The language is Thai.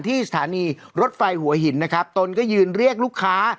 สถานีรถไฟหัวหินนะครับตนก็ยืนเรียกลูกค้า